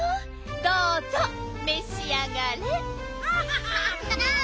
どうぞめしあがれ。